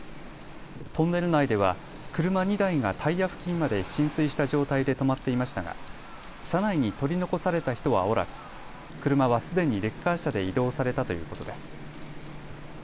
トンネル内では車２台がタイヤ付近まで浸水した状態で止まっていましたが車内に取り残された人はおらず車はすでにレッカー車で移動されたということです。